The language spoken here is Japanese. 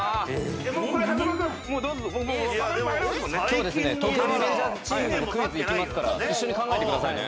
今日ですね東京リベンジャーズチームにもクイズいきますから一緒に考えてくださいね。